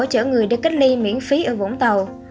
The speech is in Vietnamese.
chở người đi cách ly miễn phí ở vũng tàu